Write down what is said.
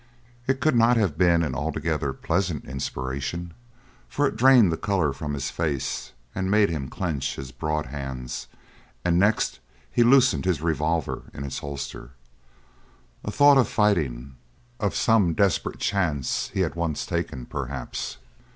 It could not have been an altogether pleasant inspiration, for it drained the colour from his face and made him clench his broad hands; and next he loosened his revolver in its holster. A thought of fighting of some desperate chance he had once taken, perhaps.